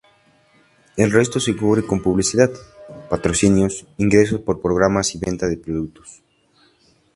El resto se cubre con publicidad, patrocinios, ingresos por programas y venta de productos.